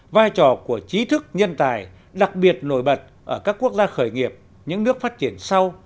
vai trò của trí thức nhân tài đặc biệt nổi bật ở các quốc gia khởi nghiệp những nước phát triển sau